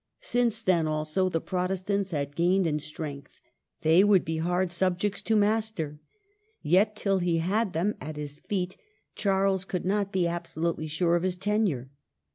Since then, also, the Protestants had gained in strength ; they would be hard sub jects to master. Yet, till he had them at his feet, Charles could not be absolutely sure of his tenure.